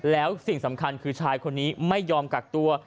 แล้วสิ่งสำคัญคือชายคนนี้ไม่ยอมกักตัว